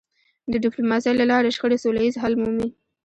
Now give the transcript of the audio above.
د ډيپلوماسی له لارې شخړې سوله ییز حل مومي.